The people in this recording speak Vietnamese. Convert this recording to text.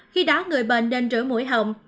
khi đó người bệnh nên rửa mũi hồng